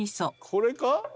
これか？